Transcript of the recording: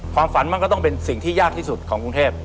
ความฝันมันก็ต้องเป็นสิ่งที่ยากที่สุดของกรุงเทพ